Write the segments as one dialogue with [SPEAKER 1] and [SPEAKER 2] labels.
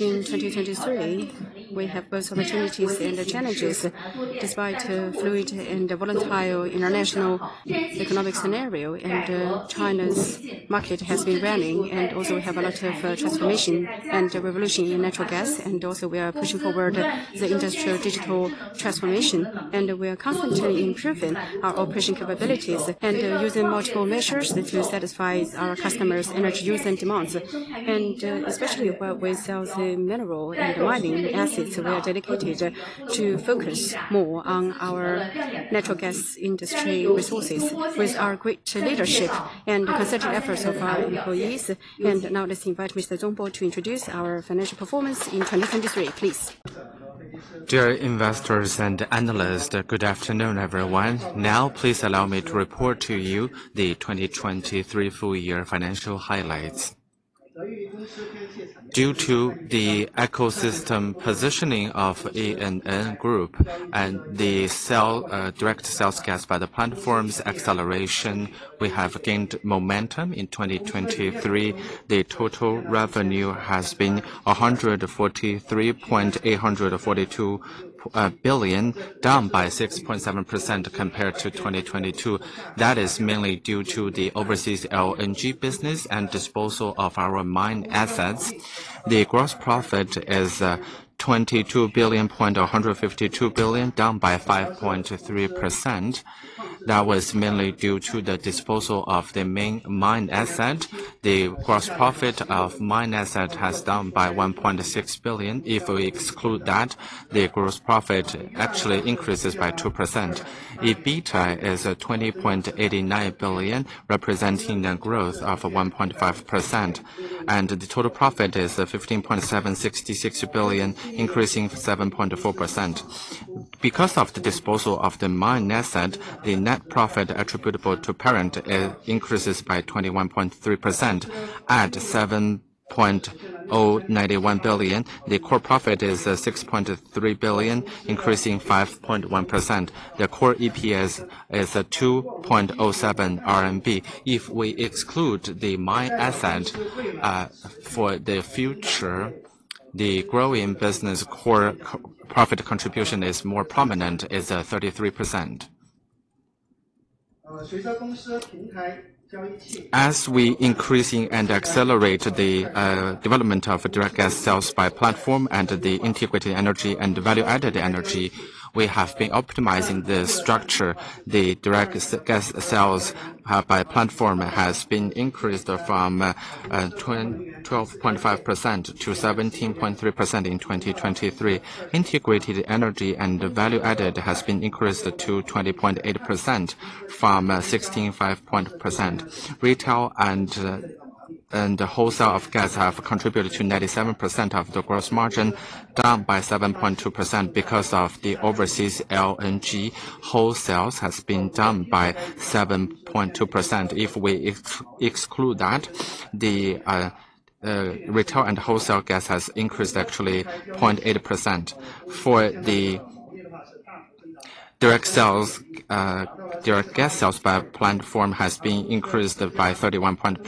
[SPEAKER 1] In 2023, we have both opportunities and challenges, despite fluid and volatile international economic scenario. China's market has been rallying and also have a lot of transformation and revolution in natural gas. Also we are pushing forward the industrial digital transformation. We are constantly improving our operation capabilities and using multiple measures to satisfy our customers' energy use and demands. Especially with sales in mineral and mining assets, we are dedicated to focus more on our natural gas industry resources with our great leadership and the concerted efforts of our employees. Now let's invite Mr. Zong Bo to introduce our Financial Performance in 2023, please.
[SPEAKER 2] Dear investors and analysts, good afternoon, everyone. Now, please allow me to report to you the 2023 Full Year Financial Highlights. Due to the ecosystem positioning of ENN Group and the direct sales gas by the platforms acceleration, we have gained momentum. In 2023, the total revenue has been 143.842 billion, down by 6.7% compared to 2022. That is mainly due to the overseas LNG business and disposal of our mine assets. The gross profit is 22.152 billion, down by 5.3%. That was mainly due to the disposal of the main mine asset. The gross profit of mine asset has down by 1.6 billion. If we exclude that, the gross profit actually increases by 2%. EBITDA is 20.89 billion, representing a growth of 1.5%, and the total profit is 15.766 billion, increasing 7.4%. Because of the disposal of the mine asset, the net profit attributable to parent increases by 21.3% at 7.091 billion. The core profit is 6.3 billion, increasing 5.1%. The core EPS is 2.07 RMB. If we exclude the mine asset for the future, the growing business core profit contribution is more prominent, is 33%. As we increasing and accelerate the development of direct gas sales by platform and the integrated energy and value-added energy, we have been optimizing the structure. The Direct Gas Sales by Platform has been increased from 12.5% to 17.3% in 2023. Integrated Energy and Value-Added has been increased to 20.8% from 16.5 point %. Retail and wholesale of gas have contributed to 97% of the gross margin, down by 7.2% because of the overseas LNG wholesales has been down by 7.2%. If we exclude that, the retail and wholesale gas has increased actually 0.8%. For the Direct Gas Sales by Platform has been increased by 31 point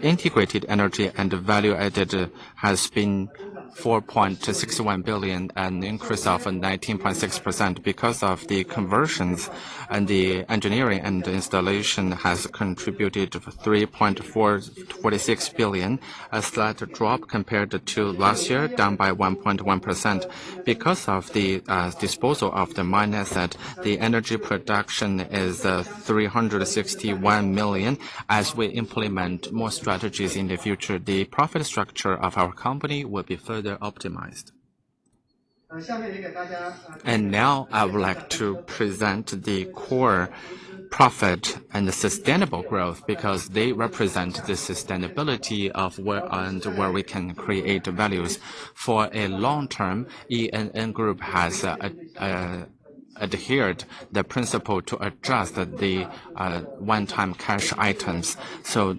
[SPEAKER 2] %. Integrated energy and value-added has been 4.61 billion, an increase of 19.6% because of the conversions, the engineering and installation has contributed to 3.426 billion, a slight drop compared to last year, down by 1.1%. Because of the disposal of the mine asset, the energy production is 361 million. As we implement more strategies in the future, the profit structure of our company will be further optimized. Now I would like to present the core profit and the sustainable growth because they represent the sustainability of where and where we can create values. For a long term, ENN Group has adhered the principle to adjust the one-time cash items.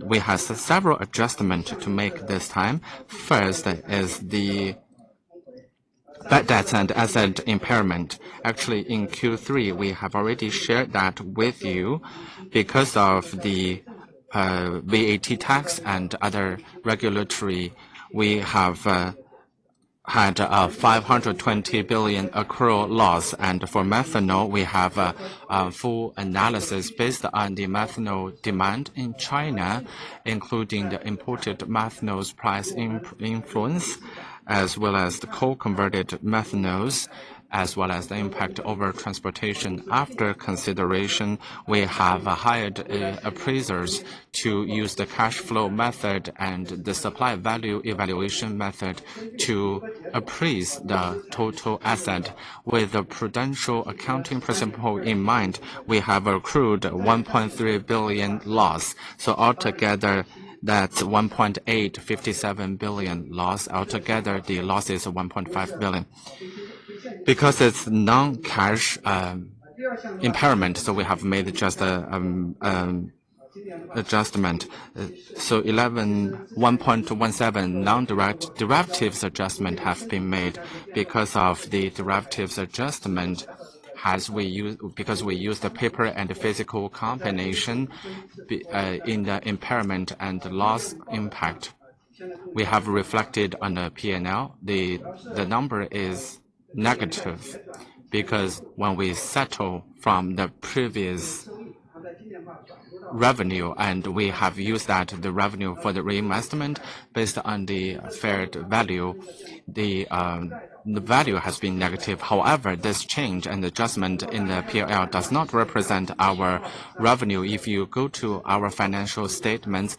[SPEAKER 2] We have several adjustments to make this time. First is the bad debts and asset impairment. Actually, in Q3, we have already shared that with you. Because of the VAT tax and other regulatory, we have had a 520 billion accrual loss. For methanol, we have a full analysis based on the methanol demand in China, including the imported methanol's price influence, as well as the coal converted methanol, as well as the impact over transportation. After consideration, we have hired appraisers to use the cash flow method and the supply value evaluation method to appraise the total asset. With the prudential accounting principle in mind, we have accrued 1.3 billion loss. Altogether, that's 1.857 billion loss. Altogether, the loss is 1.5 billion. It's non-cash impairment, so we have made just adjustment. 11.17 non-direct derivatives adjustment has been made because of the derivatives adjustment, because we use the paper and the physical combination in the impairment and loss impact. We have reflected on the P&L. The number is negative. Because when we settle from the previous revenue, and we have used that, the revenue for the reinvestment based on the fair value, the value has been negative. However, this change and adjustment in the P&L does not represent our revenue. If you go to our financial statements,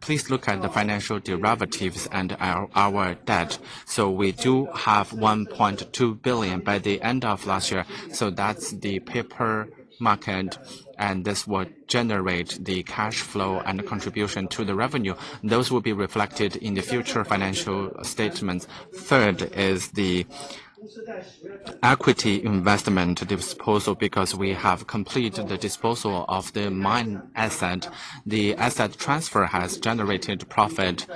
[SPEAKER 2] please look at the financial derivatives and our debt. We do have 1.2 billion by the end of last year, so that's the paper market, and this will generate the cash flow and contribution to the revenue. Those will be reflected in the future financial statements. Third is the equity investment disposal. We have completed the disposal of the mine asset, the asset transfer has generated profit.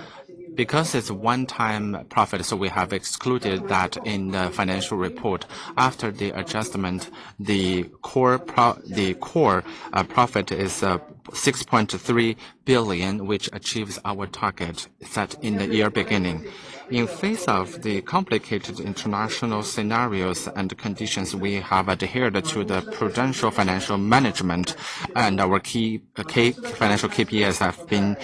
[SPEAKER 2] It's one-time profit, we have excluded that in the financial report. After the adjustment, the core profit is 6.3 billion, which achieves our target set in the year beginning. In face of the complicated international scenarios and conditions, we have adhered to the prudential financial management and our key financial KPIs have been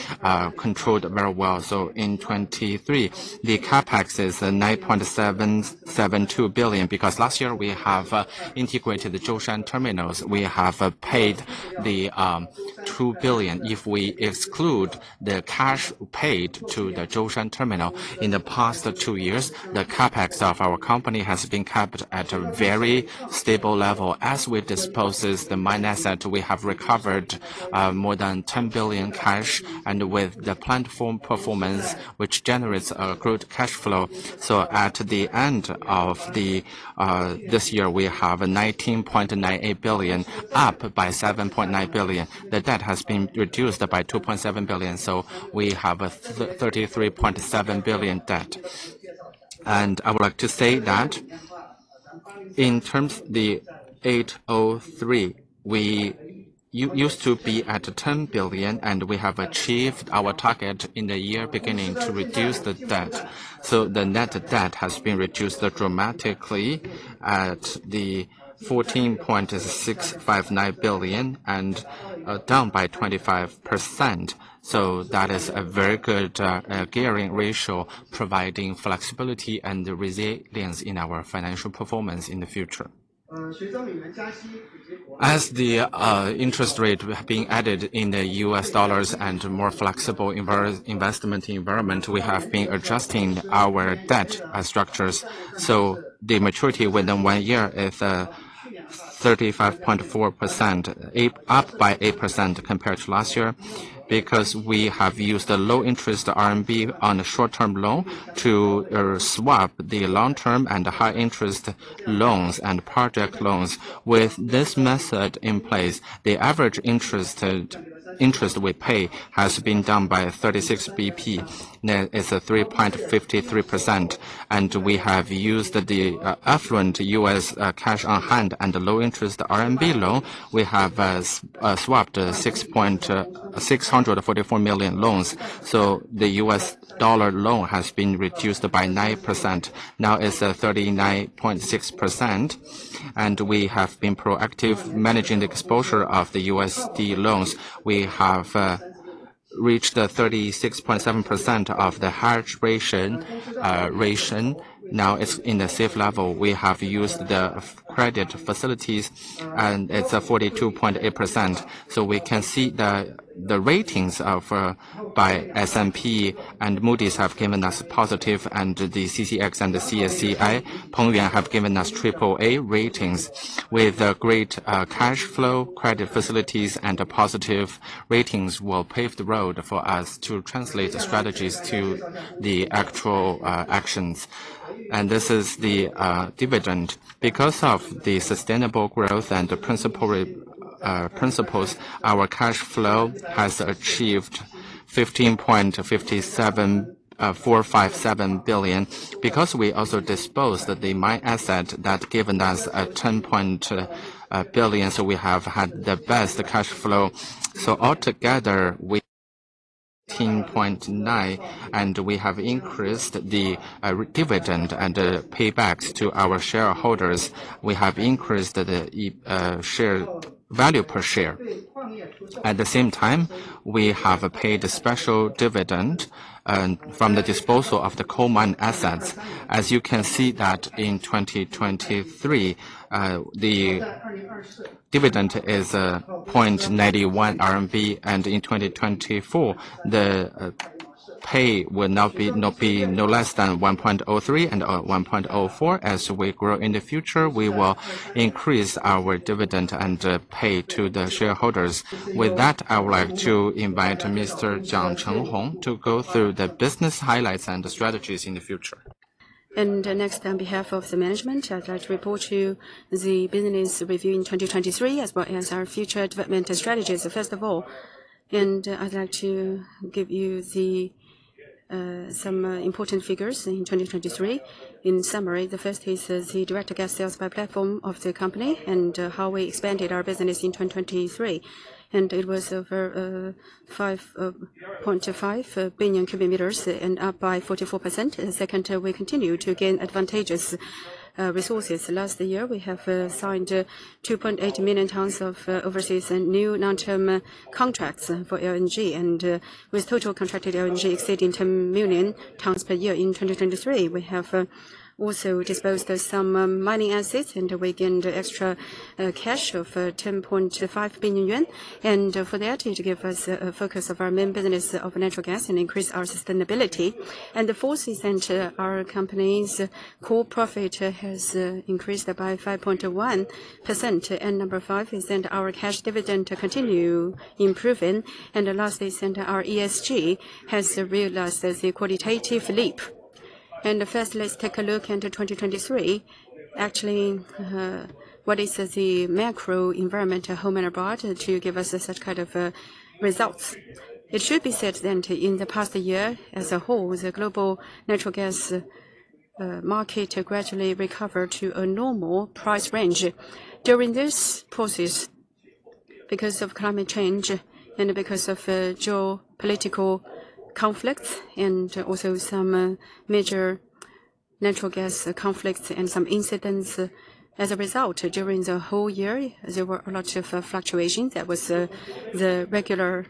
[SPEAKER 2] controlled very well. In 2023, the CapEx is 9.772 billion because last year we have integrated the Zhoushan Terminals. We have paid 2 billion. If we exclude the cash paid to the Zhoushan Terminals in the past two years, the CapEx of our company has been kept at a very stable level. As we disposes the mine asset, we have recovered more than 10 billion cash and with the platform performance, which generates a good cash flow. At the end of the this year, we have 19.98 billion up by 7.9 billion. The debt has been reduced by 2.7 billion, so we have a 33.7 billion debt. I would like to say that in terms of the 803, we used to be at 10 billion, and we have achieved our target in the year beginning to reduce the debt. The net debt has been reduced dramatically at the 14.659 billion and down by 25%. That is a very good gearing ratio, providing flexibility and resilience in our financial performance in the future. As the interest rate being added in U.S. dollars and more flexible investment environment, we have been adjusting our debt structures. The maturity within one year is 35.4%, up by 8% compared to last year because we have used a low interest CNY on a short-term loan to swap the long-term and high interest loans and project loans. With this method in place, the average interest we pay has been down by 36 BP. Now it's 3.53%. We have used the affluent U.S. cash on hand and low interest CNY loan. We have swapped 6.644 million loans. The U.S. dollar loan has been reduced by 9%. Now it's 39.6%. We have been proactive managing the exposure of the USD loans. We have reached 36.7% of the high ratio. Now it's in a safe level. We have used the credit facilities and it's 42.8%. We can see the ratings by S&P and Moody's have given us positive and the CCXI and the CSCI Pengyuan have given us triple A ratings. With great cash flow, credit facilities and positive ratings will pave the road for us to translate the strategies to the actual actions. This is the dividend. Because of the sustainable growth and the principles, our cash flow has achieved 15.57457 billion. Because we also disposed the mine asset, that's given us a 10 billion, we have had the best cash flow. All together we 10.9 and we have increased the dividend and paybacks to our shareholders. We have increased the value per share. At the same time, we have paid a special dividend, and from the disposal of the coal mine assets. As you can see that in 2023, the dividend is 0.91 RMB, and in 2024, the pay will now be no less than 1.03 and 1.04. As we grow in the future, we will increase our dividend and pay to the shareholders. With that, I would like to invite Mr. Jiang Chenghong to go through the business highlights and strategies in the future.
[SPEAKER 1] Next, on behalf of the management, I'd like to report to you the business review in 2023 as well as our future development and strategies. I'd like to give you some important figures in 2023. In summary, the first is the direct gas sales by platform of the company and how we expanded our business in 2023. It was over 5.5 bcm and up by 44%. Second, we continue to gain advantageous resources. Last year, we have signed 2.8 million tons of overseas and new long-term contracts for LNG, with total contracted LNG exceeding 10 million tons per year in 2023. We have also disposed some mining assets, and we gained extra cash of 10.5 billion yuan. For that, it give us a focus of our main business of natural gas and increase our sustainability. The fourth is that our company's core profit has increased by 5.1%. Number five is that our cash dividend continue improving. The last is that our ESG has realized as a qualitative leap. First, let's take a look into 2023. Actually, what is the macro environmental at home and abroad to give us such kind of results? It should be said then in the past year as a whole, the global natural gas market gradually recovered to a normal price range. During this process, because of climate change and because of geopolitical conflicts and also some major natural gas conflicts and some incidents as a result, during the whole year, there were a lot of fluctuation. That was the regular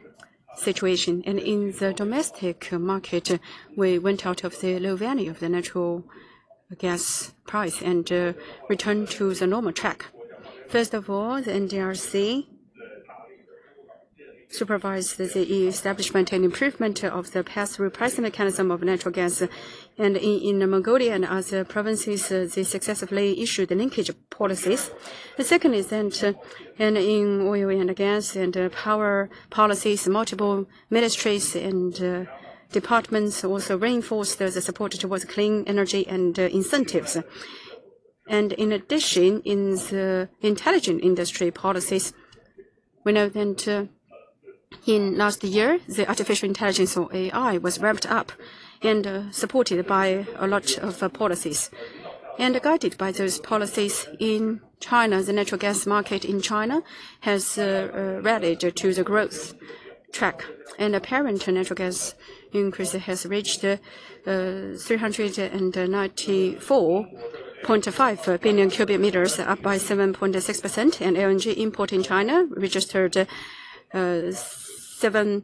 [SPEAKER 1] situation. In the domestic market, we went out of the low value of the natural gas price and returned to the normal track. First of all, the NDRC supervised the establishment and improvement of the pass-through pricing mechanism of natural gas. In Mongolia and other provinces, they successfully issued the linkage policies. The second is that, in oil and gas and power policies, multiple ministries and departments also reinforced the support towards clean energy and incentives. In addition, in the intelligent industry policies, we know then to In last year, the artificial intelligence or AI was ramped up and supported by a lot of policies. Guided by those policies in China, the natural gas market in China has rallied to the growth track. Apparent natural gas increase has reached 394.5 bcm, up by 7.6%. LNG import in China registered 71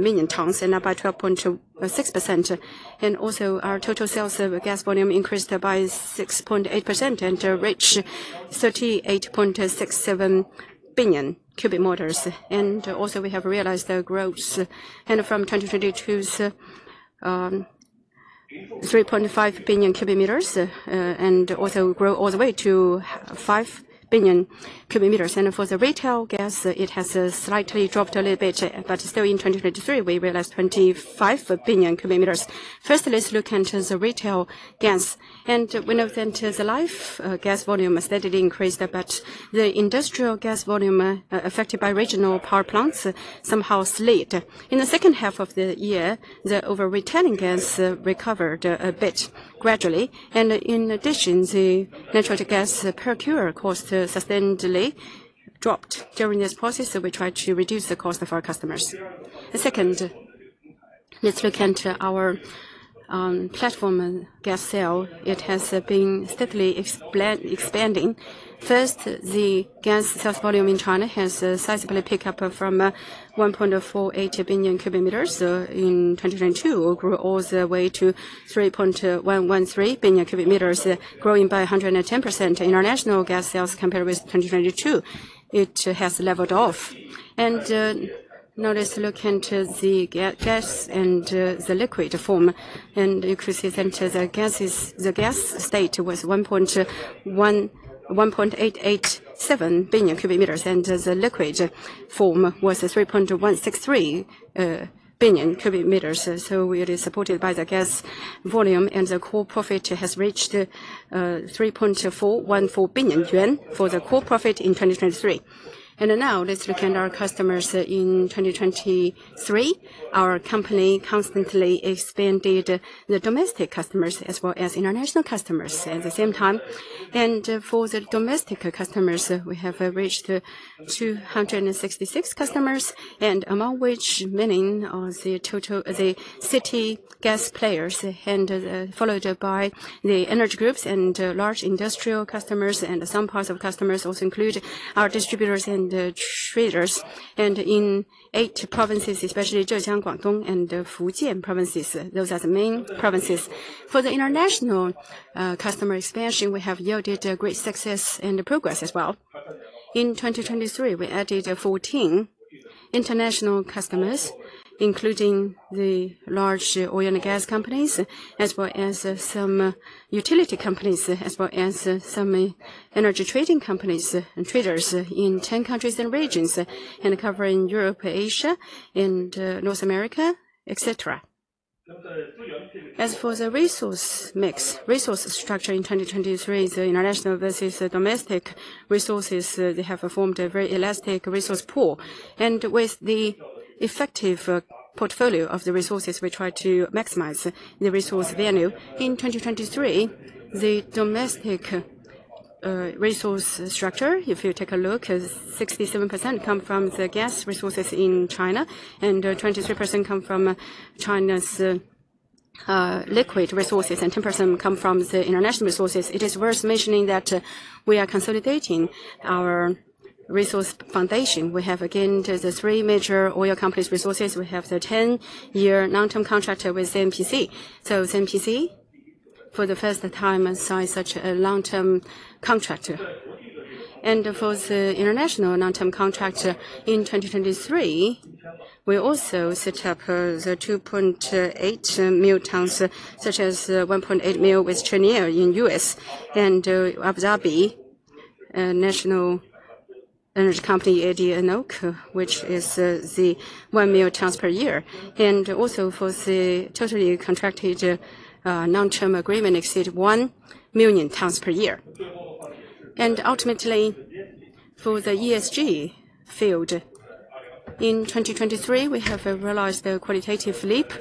[SPEAKER 1] million tons up by 12.6%. Also, our total sales of gas volume increased by 6.8% and reached 38.67 bcm. Also, we have realized the growth from 2022's 3.5 bcm, and also grow all the way to 5 bcm. For the retail gas, it has slightly dropped a little bit, but still in 2023, we realized 25 bcm. First, let's look into the retail gas. We know that the life gas volume steadily increased, but the industrial gas volume affected by regional power plants somehow slid. In the second half of the year, the over retailing gas recovered a bit gradually. In addition, the natural gas procure cost sustainably dropped. During this process, we tried to reduce the cost of our customers. The second, let's look into our platform and gas sale. It has been steadily expanding. First, the gas sales volume in China has a sizable pickup from 1.48 bcm in 2022, grew all the way to 3.113 billion cubic meters, growing by 110%. International gas sales compared with 2022, it has leveled off. Now let's look into the gas and the liquid form. You could see then to the gas is. The gas state was 1.887 bcm, and the liquid form was 3.163 bcm. We are supported by the gas volume and the core profit has reached 3.414 billion yuan for the core profit in 2023. Now let's look at our customers in 2023. Our company constantly expanded the domestic customers as well as international customers at the same time. For the domestic customers, we have reached 266 customers, among which many of the city gas players followed by the energy groups and large industrial customers. Some parts of customers also include our distributors and traders. In eight provinces, especially Zhejiang, Guangdong, and Fujian provinces, those are the main provinces. For the international customer expansion, we have yielded a great success and progress as well. In 2023, we added 14 international customers, including the large oil and gas companies, as well as some utility companies, as well as some energy trading companies and traders in 10 countries and regions, and covering Europe, Asia, and North America, etc. As for the resource mix, resource structure in 2023, the international versus domestic resources, they have formed a very elastic resource pool. With the effective portfolio of the resources, we try to maximize the resource value. In 2023, the domestic resource structure, if you take a look, 67% come from the gas resources in China, and 23% come from China's liquid resources, and 10% come from the international resources. It is worth mentioning that we are consolidating our resource foundation. We have, again, the three major oil companies' resources. We have the 10-year long-term contract with CNPC. CNPC, for the first time, has signed such a long-term contract. For the international long-term contract in 2023, we also set up the 2.8 million tons, such as 1.8 million with Cheniere in U.S. and Abu Dhabi National Energy Company, ADNOC, which is the 1 million tons per year. Also for the totally contracted long-term agreement exceed 1 million tons per year. Ultimately, for the ESG field, in 2023, we have realized a qualitative leap.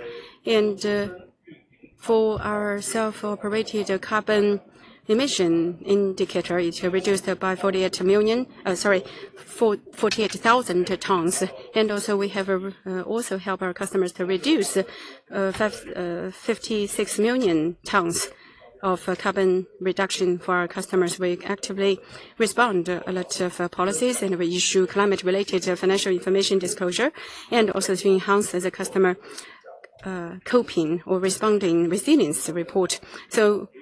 [SPEAKER 1] For our self-operated carbon emission indicator, it reduced by 48 million. Sorry, for 48,000 tons. Also help our customers to reduce 56 million tons of carbon reduction for our customers. We actively respond a lot of policies, and we issue Climate-related Financial Information Disclosure, and also to enhance the customer coping or responding resilience report.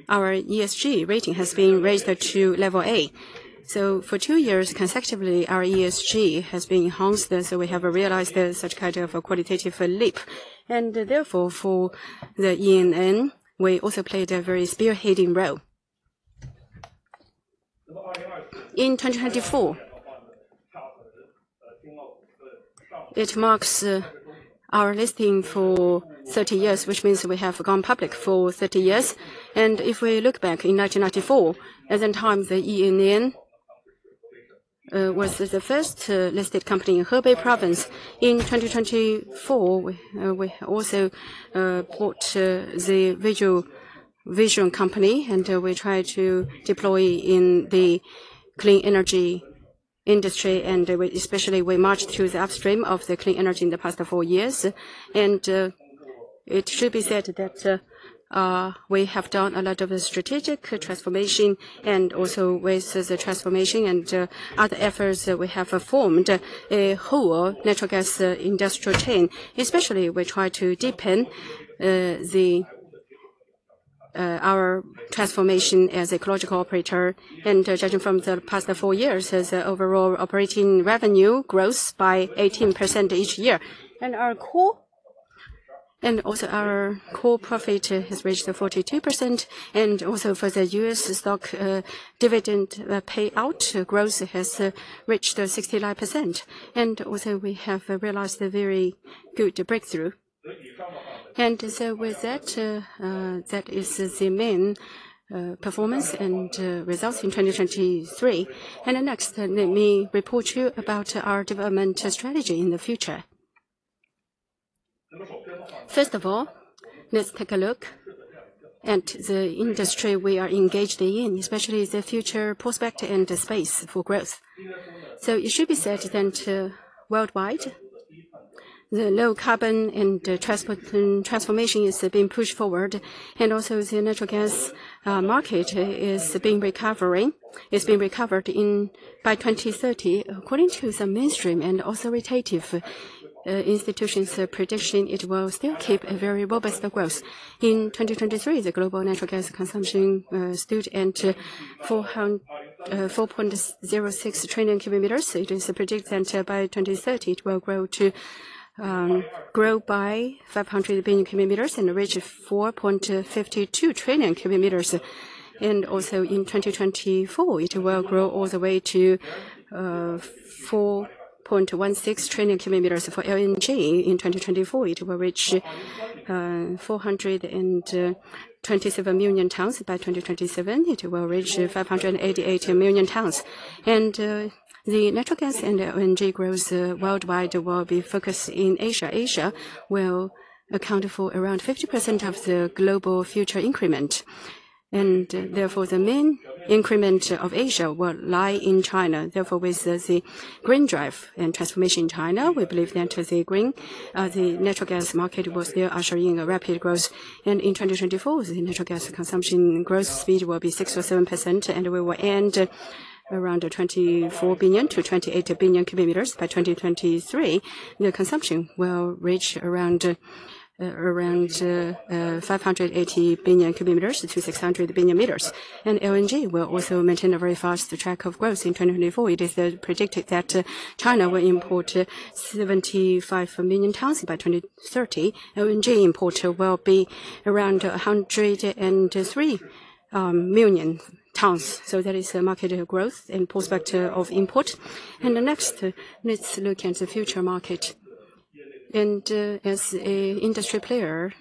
[SPEAKER 1] Our ESG rating has been raised to level A. For two years consecutively, our ESG has been enhanced, and so we have realized such kind of a qualitative leap. Therefore, for the ENN, we also played a very spearheading role. In 2024, it marks our listing for 30 years, which means we have gone public for 30 years. If we look back in 1994, at the time, the ENN was the first listed company in Hebei Province. In 2024, we also picture the vision company, we try to deploy in the clean energy industry, especially we march through the upstream of the clean energy in the past four years. It should be said that we have done a lot of strategic transformation also with the transformation and other efforts, we have formed a whole natural gas industrial chain. Especially, we try to deepen our transformation as ecological operator. Judging from the past four years, as overall operating revenue grows by 18% each year. Also our core profit has reached 42%. Also for the U.S. stock, dividend payout growth has reached 69%. Also we have realized a very good breakthrough. With that is the main performance and results in 2023. Next, let me report you about our development strategy in the future. First of all, let's take a look at the industry we are engaged in, especially the future prospect and the space for growth. It should be said then to worldwide, the low carbon and transformation is being pushed forward. Also the natural gas market is recovering. It's being recovered. By 2030, according to the mainstream and authoritative institutions prediction, it will still keep a very robust growth. In 2023, the global natural gas consumption stood at 4.06 Tcm. It is predicted that by 2030, it will grow to grow by 500 bcm and reach 4.52 Tcm. Also in 2024, it will grow all the way to 4.16 Tcm. For LNG in 2024, it will reach 427 million tons. By 2027, it will reach 588 million tons. The natural gas and LNG growth worldwide will be focused in Asia. Asia will account for around 50% of the global future increment. Therefore, the main increment of Asia will lie in China. Therefore, with the green drive and transformation in China, we believe that the natural gas market will still usher in a rapid growth. In 2024, the natural gas consumption growth speed will be 6%-7%, and we will end around 24 bcm-28 bcm. By 2023, the consumption will reach around 580 bcm to 600 bcm. LNG will also maintain a very fast track of growth. In 2024, it is predicted that China will import 75 million tons. By 2030, LNG import will be around 103 million tons. There is a market growth and prospect of import. Next, let's look at the future market. As a industry player,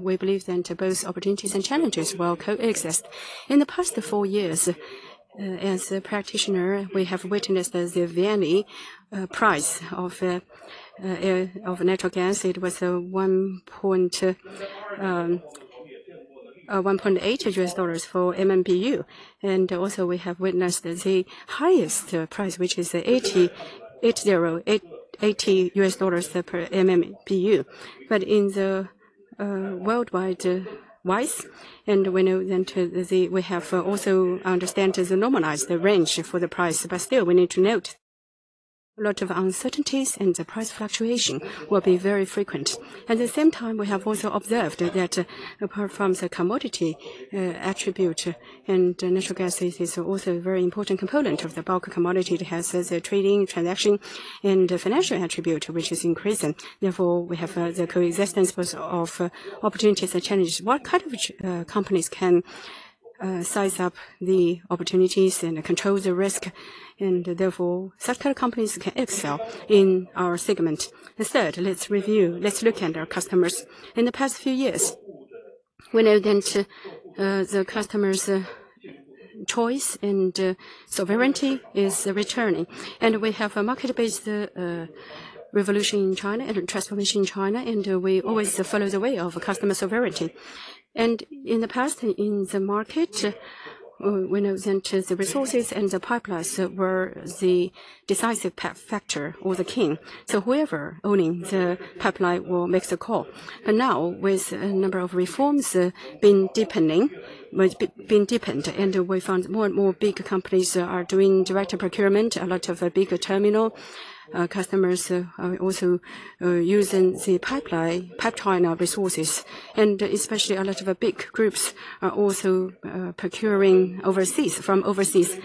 [SPEAKER 1] we believe that both opportunities and challenges will coexist. In the past four years, as a practitioner, we have witnessed the very price of natural gas. It was $1.8 for MMBtu. Also we have witnessed the highest price, which is $80 per MMBtu. In the worldwide wise, we have also understand to normalize the range for the price, still we need to note a lot of uncertainties and the price fluctuation will be very frequent. At the same time, we have also observed that apart from the commodity attribute natural gas is also a very important component of the bulk commodity. It has the trading, transaction, and the financial attribute, which is increasing. Therefore, we have the coexistence as well of opportunities and challenges. What kind of companies can size up the opportunities and control the risk, and therefore such kind of companies can excel in our segment. Third, let's review. Let's look at our customers. In the past few years, we know then to the customers choice and sovereignty is returning. We have a market-based revolution in China and transformation in China, and we always follow the way of customer sovereignty. In the past, in the market, when it enters the resources and the pipelines were the decisive factor or the king. Whoever owning the pipeline will makes the call. Now, with a number of reforms being deepened, we found more and more big companies are doing direct procurement, a lot of bigger terminal customers are also using the pipeline, PipeChina resources, and especially a lot of big groups are also procuring overseas from overseas.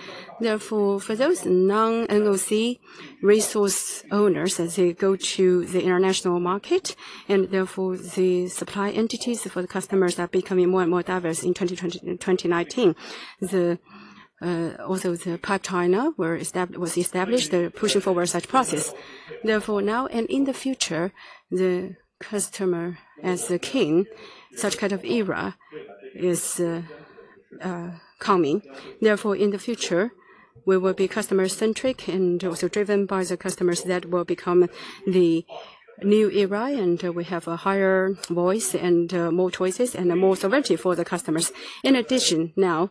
[SPEAKER 1] For those non-NOC resource owners, as they go to the international market, and therefore the supply entities for the customers are becoming more and more diverse in 2019. Also, PipeChina was established. They're pushing forward such process. Now and in the future, the customer as the king, such kind of era is coming. In the future, we will be customer-centric and also driven by the customers that will become the new era, and we have a higher voice and more choices and more sovereignty for the customers. In addition, now.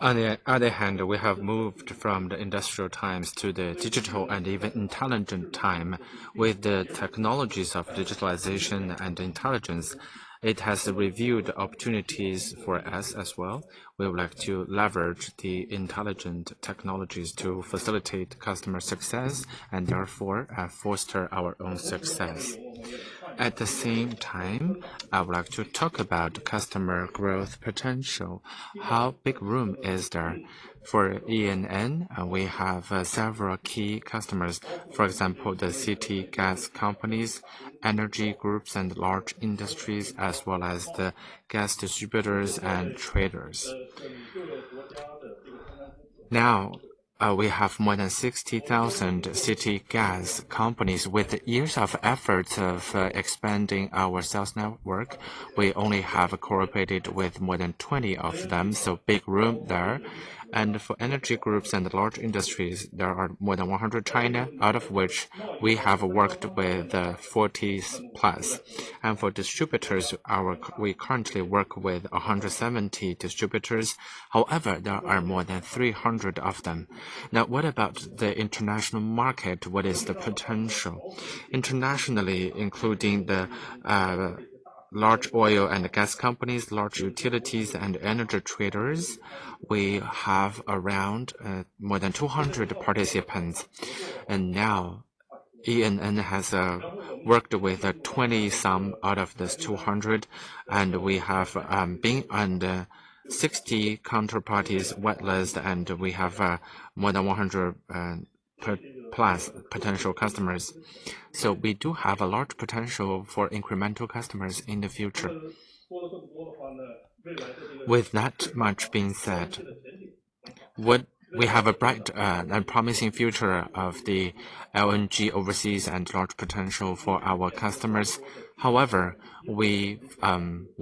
[SPEAKER 1] On the other hand, we have moved from the industrial times to the digital and even intelligent time with the technologies of digitalization and intelligence. It has revealed opportunities for us as well. We would like to leverage the intelligent technologies to facilitate customer success and therefore foster our own success. At the same time, I would like to talk about customer growth potential. How big room is there for ENN? We have several key customers. For example, the city gas companies, energy groups, and large industries, as well as the gas distributors and traders. Now, we have more than 60,000 city gas companies. With years of efforts of expanding our sales network, we only have cooperated with more than 20 of them, so big room there. For energy groups and large industries, there are more than 100 China, out of which we have worked with 40 plus. For distributors, we currently work with 170 distributors. However, there are more than 300 of them. What about the international market? What is the potential? Internationally, including the large oil and gas companies, large utilities, and energy traders, we have around more than 200 participants. Now, ENN has worked with 20 some out of this 200, and we have been under 60 counterparties whitelist, and we have more than 100 plus potential customers. We do have a large potential for incremental customers in the future. With that much being said, would we have a bright and promising future of the LNG overseas and large potential for our customers? We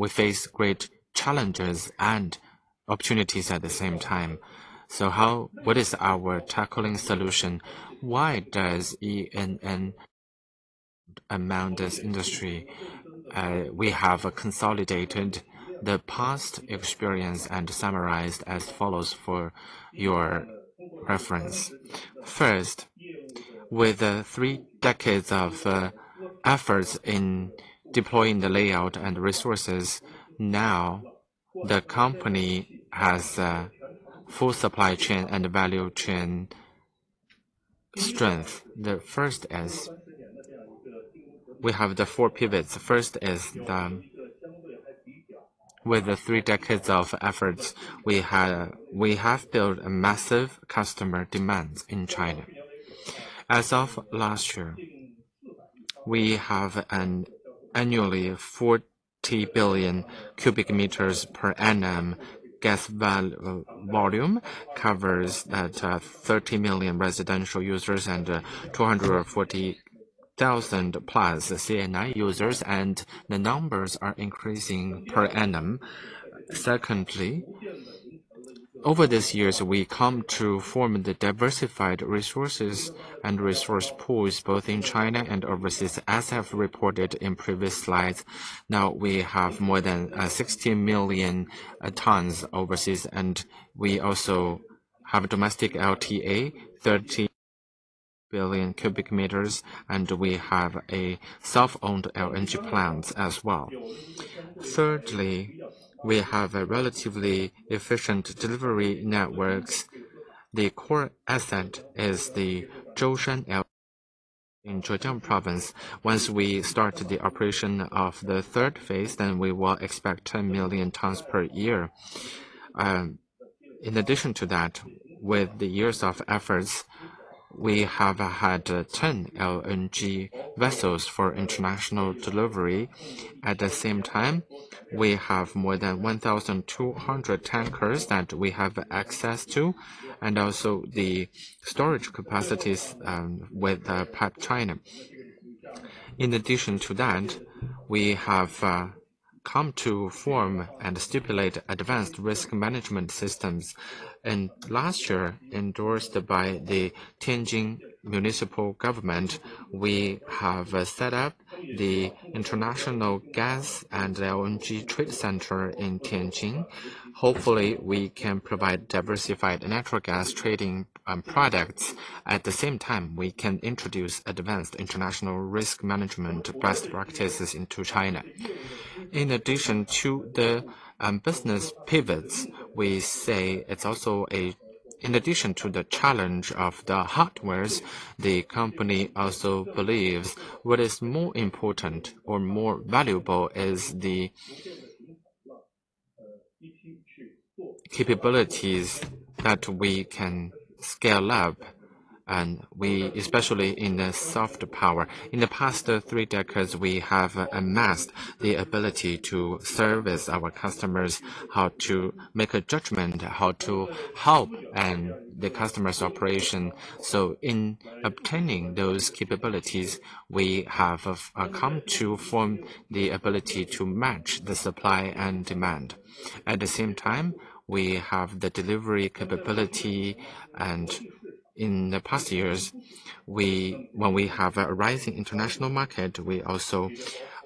[SPEAKER 1] face great challenges and opportunities at the same time. What is our tackling solution? Why does ENN among this industry? We have consolidated the past experience and summarized as follows for your reference. First, with three decades of efforts in deploying the layout and resources, now the company has full supply chain and value chain strength. The first is we have the four pivots. With the three decades of efforts, we have built a massive customer demands in China. As of last year, we have an annually 40 bcm per annum gas volume, covers 30 million residential users and 240,000+ CNI users. The numbers are increasing per annum. Secondly, over these years, we come to form the diversified resources and resource pools, both in China and overseas, as I have reported in previous slides. Now we have more than 16 million tons overseas. We also have domestic LTA, 30 bcm. We have a self-owned LNG plants as well. Thirdly, we have a relatively efficient delivery networks. The core asset is the Zhoushan in Zhejiang Province. Once we start the operation of the third phase, we will expect 10 million tons per year. In addition to that, with the years of efforts, we have had 10 LNG vessels for international delivery. At the same time, we have more than 1,200 tankers that we have access to and also the storage capacities with PipeChina. In addition to that, we have come to form and stipulate advanced risk management systems. Last year, endorsed by the Tianjin Municipal Government, we have set up the International Gas and LNG Trade Center in Tianjin. Hopefully, we can provide diversified natural gas trading products. At the same time, we can introduce advanced international risk management best practices into China. In addition to the business pivots, in addition to the challenge of the hardwares, the company also believes what is more important or more valuable is the capabilities that we can scale up, especially in the soft power. In the past three decades, we have amassed the ability to service our customers, how to make a judgment, how to help and the customer's operation. In obtaining those capabilities, we have come to form the ability to match the supply and demand. At the same time, we have the delivery capability, and in the past years, when we have a rising international market, we also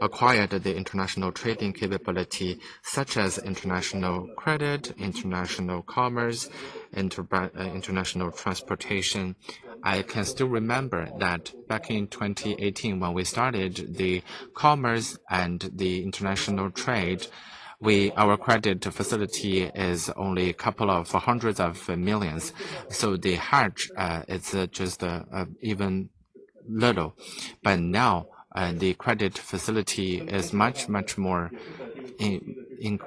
[SPEAKER 1] acquired the international trading capability, such as international credit, international commerce, international transportation. I can still remember that back in 2018 when we started the commerce and the international trade, our credit facility is only a couple of hundreds of millions. The hedge, it's just even little. Now, the credit facility is much, much more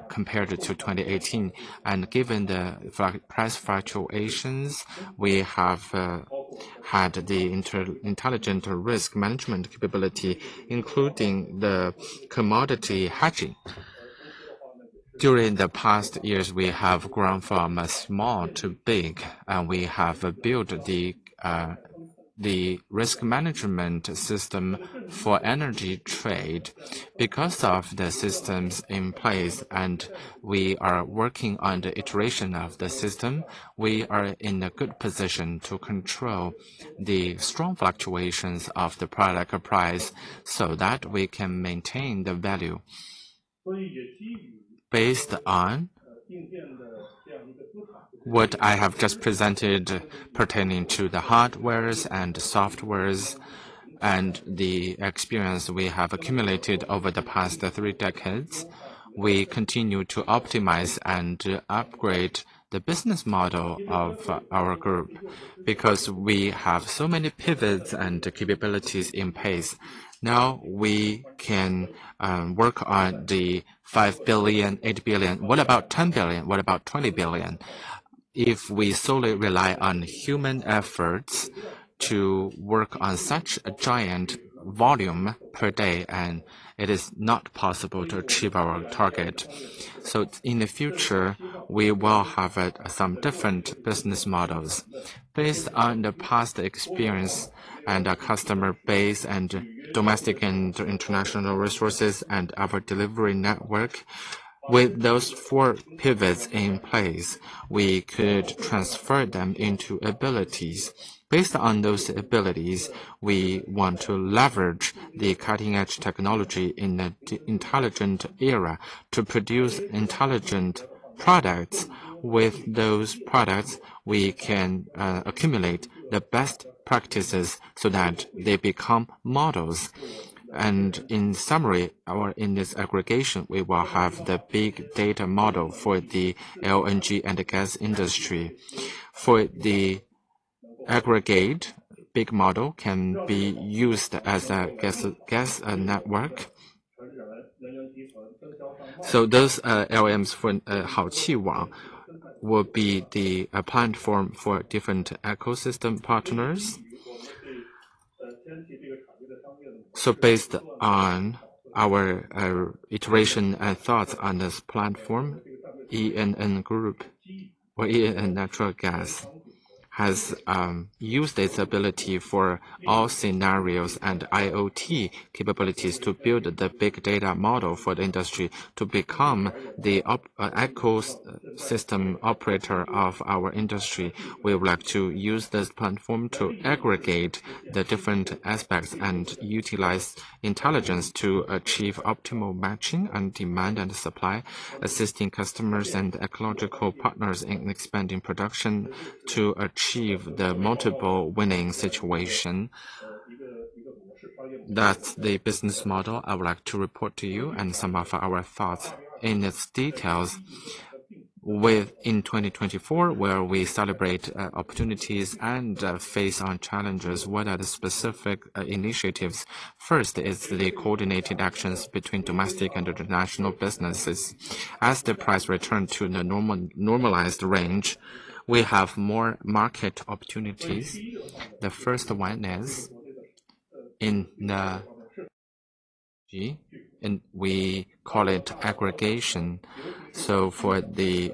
[SPEAKER 1] compared to 2018. Given the price fluctuations, we have had the inter-intelligent risk management capability, including the commodity hedging. During the past years, we have grown from small to big, and we have built the risk management system for energy trade. Because of the systems in place, and we are working on the iteration of the system, we are in a good position to control the strong fluctuations of the product price so that we can maintain the value. Based on what I have just presented pertaining to the hardwares and softwares and the experience we have accumulated over the past three decades, we continue to optimize and upgrade the business model of our group. Because we have so many pivots and capabilities in place, now we can work on the 5 billion, 8 billion. What about 10 billion? What about 20 billion? If we solely rely on human efforts to work on such a giant volume per day, it is not possible to achieve our target. In the future, we will have some different business models. Based on the past experience and our customer base and domestic and international resources and our delivery network, with those four pivots in place, we could transfer them into abilities. Based on those abilities, we want to leverage the cutting-edge technology in the intelligent era to produce intelligent products. With those products, we can accumulate the best practices so that they become models. In summary, or in this aggregation, we will have the big data model for the LNG and the gas industry. For the aggregate, big model can be used as a gas network. Those LMs from Haoqi Wang will be the platform for different ecosystem partners. Based on our iteration and thoughts on this platform, ENN Group or ENN Natural Gas has used its ability for all scenarios and IoT capabilities to build the big data model for the industry to become the ecosystem operator of our industry. We would like to use this platform to aggregate the different aspects and utilize intelligence to achieve optimal matching and demand and supply, assisting customers and ecological partners in expanding production to achieve the multiple winning situation. That's the business model I would like to report to you and some of our thoughts in its details. In 2024 where we celebrate opportunities and face our challenges, what are the specific initiatives? First is the coordinated actions between domestic and international businesses. As the price return to the normalized range, we have more market opportunities. The first one is we call it aggregation. For the,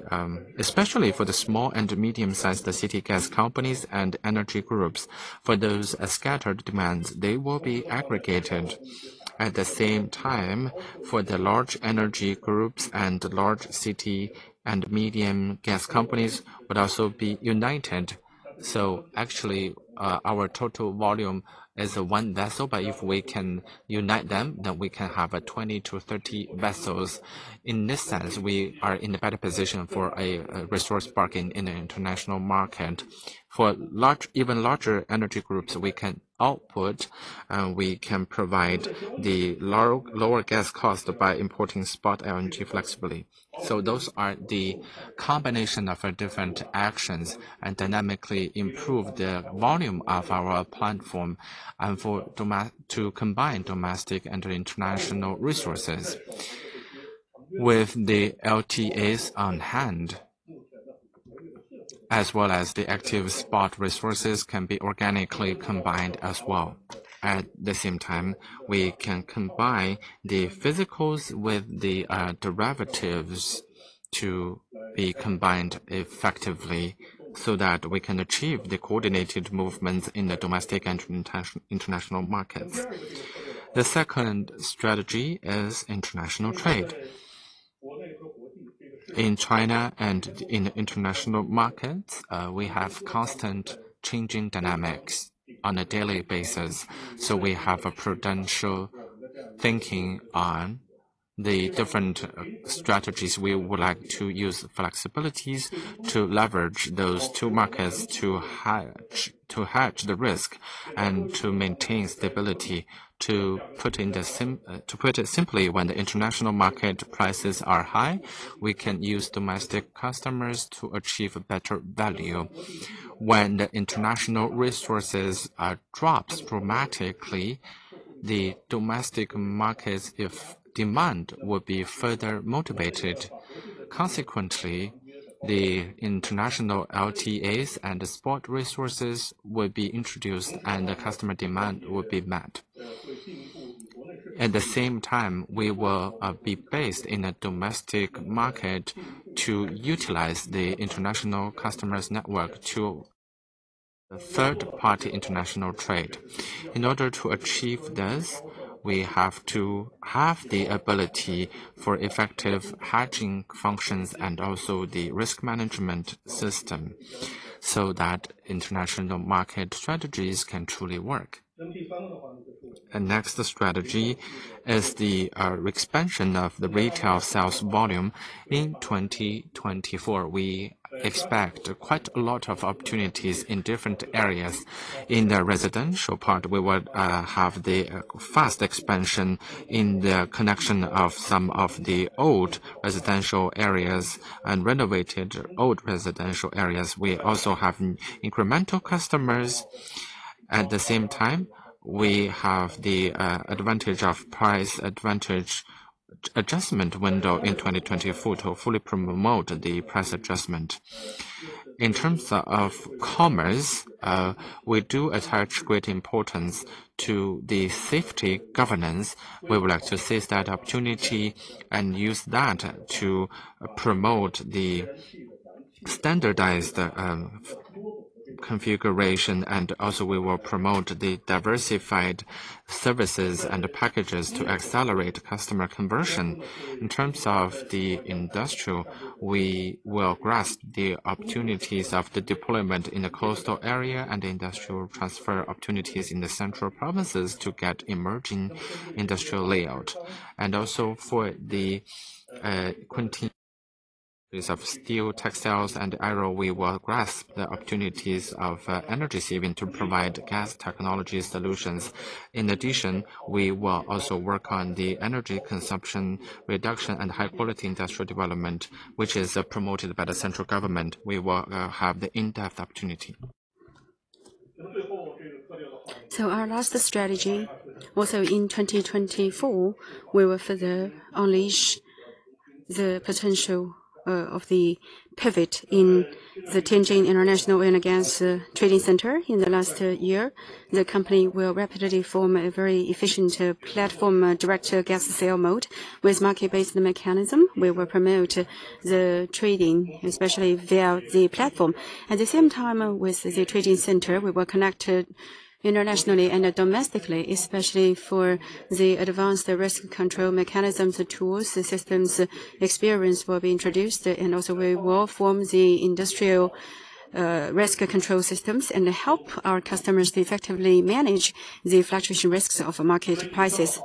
[SPEAKER 1] especially for the small and medium-sized city gas companies and energy groups, for those scattered demands, they will be aggregated. At the same time, for the large energy groups and large city and medium gas companies, would also be united. Actually, our total volume is one vessel, but if we can unite them, then we can have 20-30 vessels. In this sense, we are in a better position for a resource bargain in the international market. For large, even larger energy groups, we can output and we can provide the lower gas cost by importing spot LNG flexibly. Those are the combination of different actions and dynamically improve the volume of our platform and to combine domestic and international resources. With the LTAs on hand, as well as the active spot resources can be organically combined as well. At the same time, we can combine the physicals with the derivatives to be combined effectively so that we can achieve the coordinated movements in the domestic and international markets. The second strategy is international trade. In China and in the international markets, we have constant changing dynamics on a daily basis, we have a prudential thinking on the different strategies. We would like to use flexibilities to leverage those two markets to hedge, to hedge the risk and to maintain stability. To put it simply, when the international market prices are high, we can use domestic customers to achieve a better value. When the international resources drop dramatically, the domestic markets' demand will be further motivated. Consequently, the international LTAs and the spot resources will be introduced and the customer demand will be met. At the same time, we will be based in a domestic market to utilize the international customers' network to third-party international trade. In order to achieve this, we have to have the ability for effective hedging functions and also the risk management system so that international market strategies can truly work. Next strategy is the expansion of the retail sales volume in 2024. We expect quite a lot of opportunities in different areas. In the residential part, we will have the fast expansion in the connection of some of the old residential areas and renovated old residential areas. We also have incremental customers. At the same time, we have the advantage of price advantage adjustment window in 2024 to fully promote the price adjustment. In terms of commerce, we do attach great importance to the safety governance. We would like to seize that opportunity and use that to promote the standardized configuration, and also we will promote the diversified services and the packages to accelerate customer conversion. In terms of the industrial, we will grasp the opportunities of the deployment in the coastal area and the industrial transfer opportunities in the central provinces to get emerging industrial layout. Also for the continue of steel, textiles, and iron, we will grasp the opportunities of energy saving to provide gas technology solutions. In addition, we will also work on the energy consumption reduction and high quality industrial development, which is promoted by the central government. We will have the in-depth opportunity. Our last strategy, also in 2024, we will further unleash the potential of the pivot in the Tianjin International Petroleum & Gas Exchange Center in the last year. The company will rapidly form a very efficient platform, direct to gas sale mode with market-based mechanism. We will promote the trading, especially via the platform. At the same time, with the trading center, we will connect to internationally and domestically, especially for the advanced risk control mechanisms, the tools, the systems, experience will be introduced, and also we will form the industrial risk control systems and help our customers to effectively manage the fluctuation risks of market prices.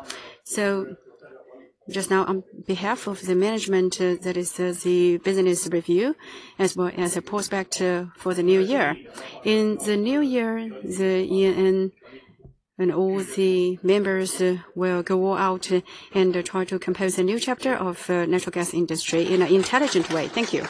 [SPEAKER 1] Just now, on behalf of the management, that is the business review as well as a prospect for the new year. In the new year, the ENN and all the members will go out and try to compose a new chapter of natural gas industry in an intelligent way. Thank you.